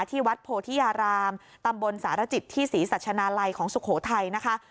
ที่วัดโพธิยารามตำบลสารจิตที่ศรีสัชนาลัยของสุโขทัยนะคะ